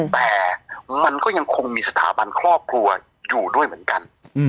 แต่มันก็ยังคงมีสถาบันครอบครัวอยู่ด้วยเหมือนกัน